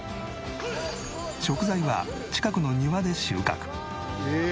食材は近くの庭で収穫。